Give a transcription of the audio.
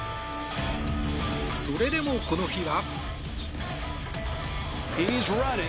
それでも、この日は。